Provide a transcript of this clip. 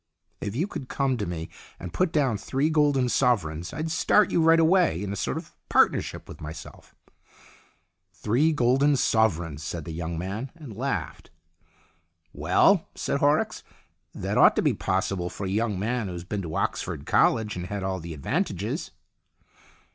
If you could come to me and put down three golden sovereigns, I'd start you right away, in a sort of partnership with myself." " Three golden sovereigns," said the young man, and laughed. THE LAST CHANCE 119 " Well," said Horrocks, " that ought to be possible for a young man that's been to Oxford College and had all the advantages."